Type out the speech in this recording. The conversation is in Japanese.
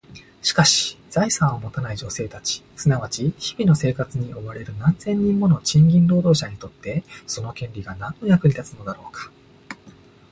しかし、財産を持たない女性たち、すなわち日々の生活に追われる何千人もの賃金労働者にとって、その権利が何の役に立つのだろうか？